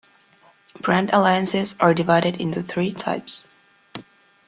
Brand alliances are divided into three types.